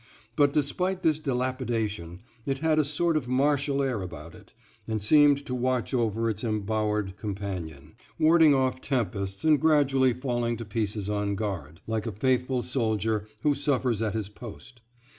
But despite this dilapidation it had a sort of martial air about it, and seemed to watch over its embowered companion, warding off tempests and gradually falling to pieces on guard, like a faithful soldier who suffers at his post.